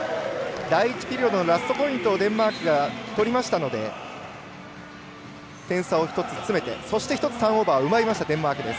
第１ピリオドのラストポイントをデンマークが取りましたので点差を１つ詰めてそして１つターンオーバーを奪いました、デンマークです。